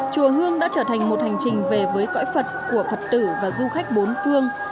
chùa hương đã trở thành một hành trình về với cõi phật của phật tử và du khách bốn phương